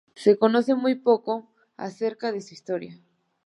Se conoce muy poco acerca de su historia.